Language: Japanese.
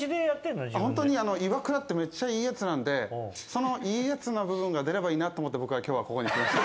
ホントにイワクラってメッチャ良い奴なんでその良い奴の部分が出ればいいなと思って僕は今日はここに来ました。